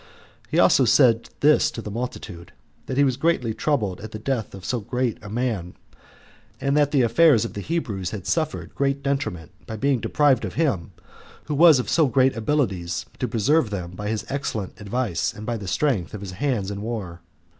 He also said this to the multitude, that he was greatly troubled at the death of so good a man; and that the affairs of the Hebrews had suffered great detriment by being deprived of him, who was of so great abilities to preserve them by his excellent advice, and by the strength of his hands in war.